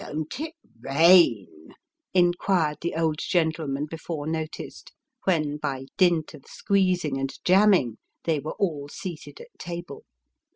" Don't it rain ?" inquired the old gentleman before noticed, when, by dint of squeezing and jamming, they were all seated at table.